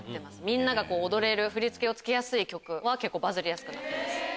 みんなが振り付けをつけやすい曲はバズりやすくなってます。